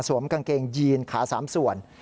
กางเกงยีนขา๓ส่วน